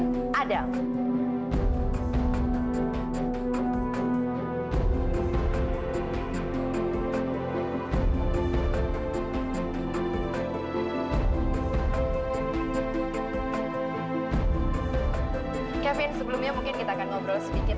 tentang hal hal yang terjadi di rumah